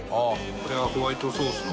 これがホワイトソースの？